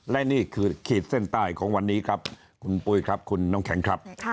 และนี่คือขีดเส้นใต้ของวันนี้ครับคุณปุ๋ยครับคุณน้ำแข็งครับ